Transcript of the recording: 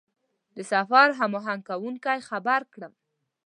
د سفر هماهنګ کوونکي خبر کړم.